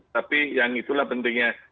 tapi yang itulah pentingnya